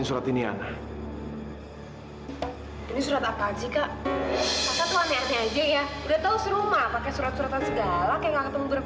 ini surat apa aja ya udah tahu surat surat